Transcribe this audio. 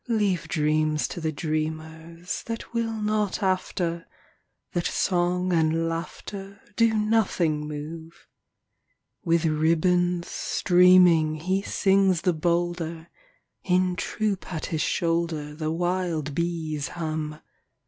Leave dreams to the dreamers That will not after, That song and laughter Do nothing move. With ribbons streaming He sings the bolder ; In troop at his shoulder The wild bees hum.